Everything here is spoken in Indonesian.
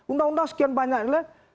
undang undang sekian banyak nilai